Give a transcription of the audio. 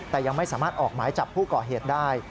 แต่ยังไม่สามารถออกหมายจับผู้ก่อเหตุได้